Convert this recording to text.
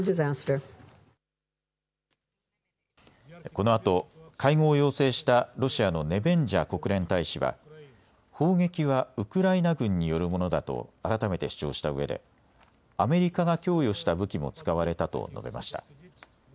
このあと会合を要請したロシアのネベンジャ国連大使は砲撃はウクライナ軍によるものだと改めて主張したうえでアメリカが供与した武器も使われたと述べました。